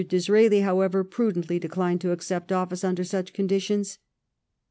Disraeli, however, prudently declined to accept office under such conditions.